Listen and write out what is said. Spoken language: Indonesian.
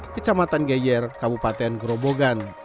kecamatan geyer kabupaten gerobogan